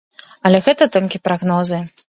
Але гэта толькі прагнозы.